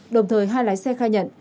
đồng thời hai lái xe khai nhận